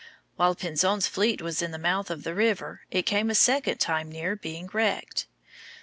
While Pinzon's fleet was in the mouth of the river, it came a second time near being wrecked.